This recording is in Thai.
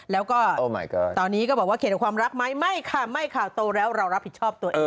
แล้วก็ตอนนี้ก็บอกว่าเขียนความรักไหมไม่ค่ะไม่ค่ะโตแล้วเรารับผิดชอบตัวเอง